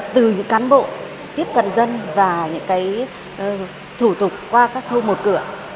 từ những cán bộ tiếp cận dân và những cái thủ tục qua các thâu một cửa